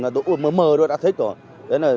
mờ mờ đó đã thích rồi